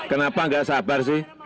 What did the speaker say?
kenapa nggak sabar sih